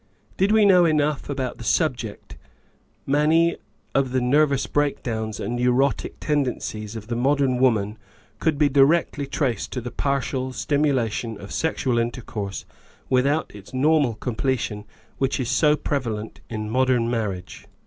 Did we know enough about the subject, many of the " nervous breakdowns " and neurotic ten dencies of the modern woman could be directly traced to the partial stimulation of sexual intercourse with out its normal completion which is so prevalent in modern marriage.